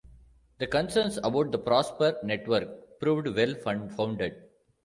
The concerns about the Prosper network proved well-founded.